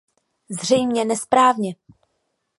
Zřejmě nesprávně.